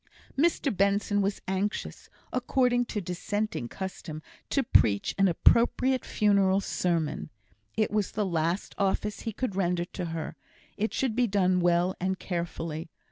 Mr Benson was anxious, according to Dissenting custom, to preach an appropriate funeral sermon. It was the last office he could render to her; it should be done well and carefully.